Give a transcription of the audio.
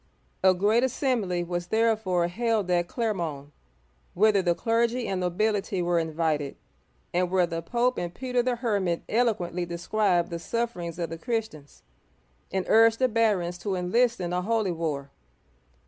A great assembly was therefore held at Cler'mont, whither the clergy and nobility were invited, and where the Pope and Peter the Hermit eloquently described the sufferings of the Christians, and urged the barons to enlist in a holy war.